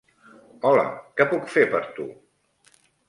Hola! Què puc fer per tu?